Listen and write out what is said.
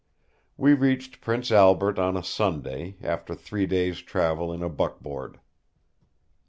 We reached Prince Albert on a Sunday, after three days' travel in a buckboard.